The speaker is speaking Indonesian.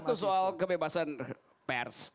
satu soal kebebasan pers